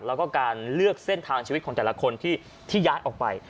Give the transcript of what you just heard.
แล้วก็การเลือกเส้นทางชีวิตของแต่ละคนที่ย้ายออกไป